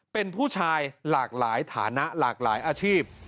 เป็นผู้ชายหลากหลายฐานะหลากหลายอาชีพ